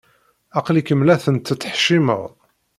Aql-ikem la tent-tettḥeccimed.